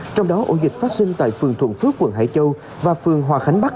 trong đó ổ dịch phát sinh tại phường thuận phước quận hải châu và phường hòa khánh bắc